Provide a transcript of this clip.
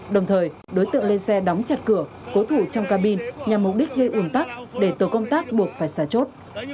đồng thời đối tượng lên xe đóng chặt cửa cố thủ trong cabin nhằm mục đích gây ủn tắc để tổ công tác buộc phải xả chốt